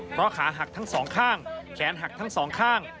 เพราะขาหักทั้งสองข้างแขนหักทั้งสองข้าง